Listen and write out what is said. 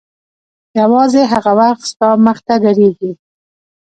یوازې هغه وخت ستا مخته درېږي.